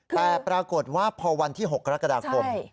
และปรากฏพอวันที่๖กรกฎากรม